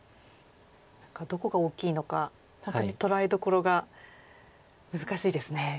何かどこが大きいのか本当に捉えどころが難しいですね。